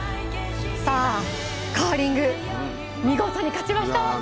さあ、カーリング見事に勝ちました。